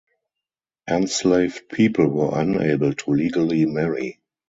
Enslaved people were unable to legally marry.